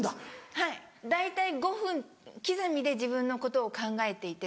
はい大体５分刻みで自分のことを考えていて。